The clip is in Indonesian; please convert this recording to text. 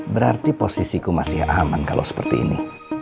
berarti posisiku masih aman kalau seperti ini